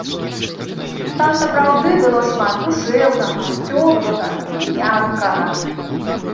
Там сапраўды было шмат душэўнага, цёплага і мяккага.